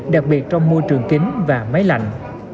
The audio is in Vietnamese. đặc biệt trong môi trường kín và máy lạnh